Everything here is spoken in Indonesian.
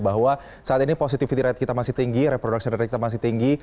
bahwa saat ini positivity rate kita masih tinggi reproduction rate kita masih tinggi